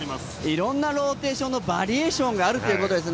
いろんなローテーションのバリエーションがあると。